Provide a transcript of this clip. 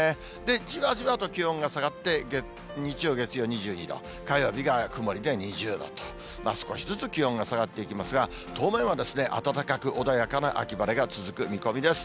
じわじわと気温が下がって日曜、月曜２２度、火曜日が曇りで２０度と、少しずつ気温が下がっていきますが、当面は暖かく、穏やかな秋晴れが続く見込みです。